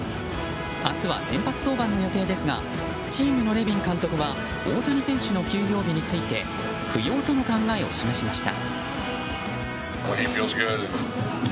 明日は先発登板の予定ですがチームのネビン監督は大谷選手の休養日について不要との考えを示しました。